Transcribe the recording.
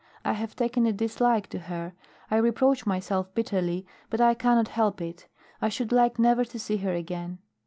I have taken a dislike to her. I reproach myself bitterly, but I cannot help it. I should like never to see her again."